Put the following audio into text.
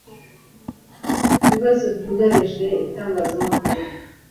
ibibazo byugarije itangazamakuru